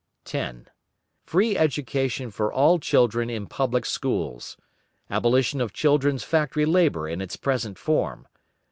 10. Free education for all children in public schools. Abolition of children's factory labour in its present form.